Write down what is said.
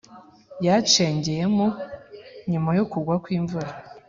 yacengeyemo nyuma yo kugwakw’imvura